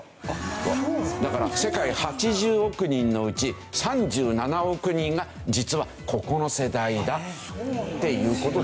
だから世界８０億人のうち３７億人が実はここの世代だっていう事。